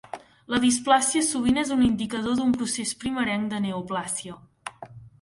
La displàsia sovint és un indicador d'un procés primerenc de neoplàsia.